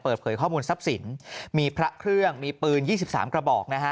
เปิดเผยข้อมูลทรัพย์สินมีพระเครื่องมีปืน๒๓กระบอกนะฮะ